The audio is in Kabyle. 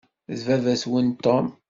D baba-twen Tom.